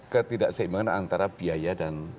ketidakseimbangan antara biaya dan